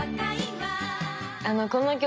この曲